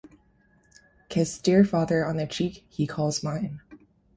Kiss dear father on the cheek he calls mine.